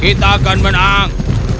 kita akan menang